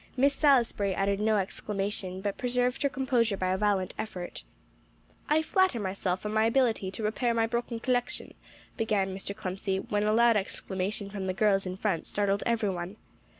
] Miss Salisbury uttered no exclamation, but preserved her composure by a violent effort. "I flatter myself on my ability to repair my broken collection," began Mr. Clemcy, when a loud exclamation from the girls in front startled every one.